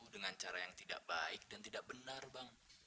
dengan cara yang tidak baik dan tidak benar bang